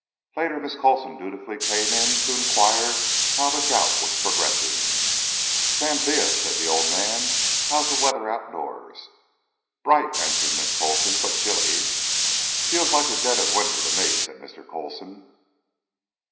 Later Miss Coulson dutifully came in to inquire how the gout was progressing. "'Stantia," said the old man, "how is the weather outdoors?" "Bright," answered Miss Coulson, "but chilly." "Feels like the dead of winter to me," said Mr. Coulson.